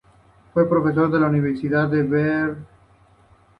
Fue profesor en la Universidad de Bern.